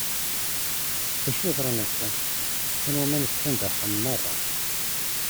D acu yeḍran akka? Atan aman kkan-d axxam merra.